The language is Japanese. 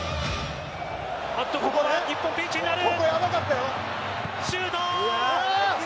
ここで日本ピンチになる。